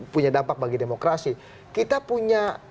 punya dampak bagi demokrasi kita punya